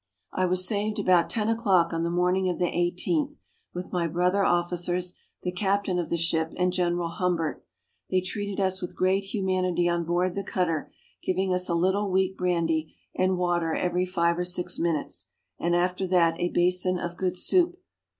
I was saved about ten o'clock on the morning of the 18th, with my brother officers, the captain of the ship, and General Humbert. They treated us with great humanity on board the cutter, giving us a little weak brandy and water every five or six minutes, and after that a bason of good soup.